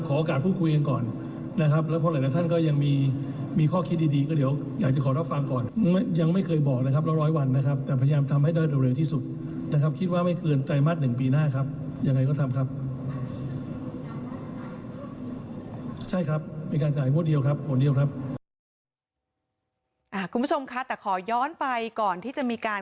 แต่ขอย้อนไปก่อนที่จะมีการเข้าบัญชีนะครับ